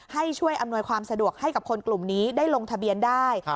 ให้ช่วยอำนวยความสะดวกให้กับคนกลุ่มนี้ได้ลงทะเบียนได้